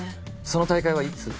その大会はいつ？